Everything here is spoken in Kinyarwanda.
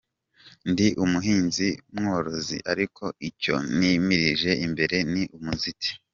Ndi umuhinzi mworozi ariko icyo nimirije imbere ni umuziki.